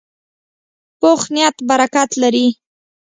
پوخ نیت برکت لري